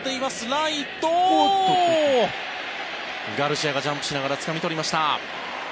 ライト、ガルシアがジャンプしながらつかみとりました。